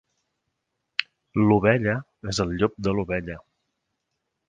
L'ovella és el llop de l'ovella.